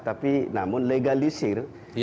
tapi namun legalisir